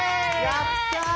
やった！